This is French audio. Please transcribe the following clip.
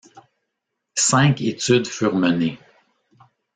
Cinq études furent menées.